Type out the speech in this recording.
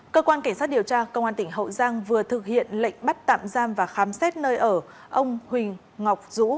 cơ quan cảnh sát điều tra công an tỉnh hậu giang vừa thực hiện lệnh bắt tạm giam và khám xét nơi ở ông huỳnh ngọc dũ